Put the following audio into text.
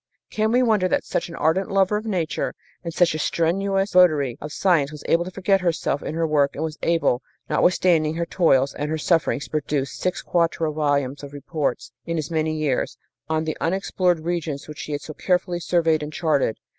" Can we wonder that such an ardent lover of Nature and such a strenuous votary of science was able to forget herself in her work and was able, notwithstanding her toils and her sufferings, to produce six quarto volumes of reports, in as many years, on the unexplored regions which she had so carefully surveyed and charted?